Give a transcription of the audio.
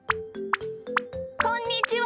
こんにちは。